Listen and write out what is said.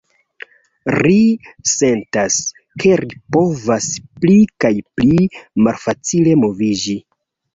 Ri sentas, ke ri povas pli kaj pli malfacile moviĝi.